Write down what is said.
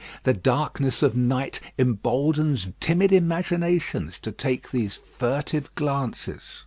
The darkness of night emboldens timid imaginations to take these furtive glances.